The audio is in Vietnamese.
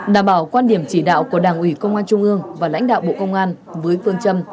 đảm bảo quan điểm chỉ đạo của đảng ủy công an trung ương và lãnh đạo bộ công an với phương châm